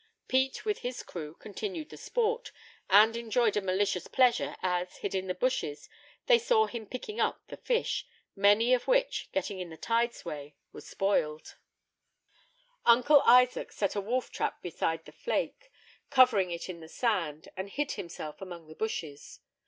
Pete, with his crew, continued the sport, and enjoyed a malicious pleasure, as, hid in the bushes, they saw him picking up the fish, many of which, getting in the tide's way, were spoiled. [Illustration: PETER CLASH AND THE WOLF TRAP. Page 207.] Uncle Isaac set a wolf trap beside the flake, covering it in the sand, and hid himself among the bushes.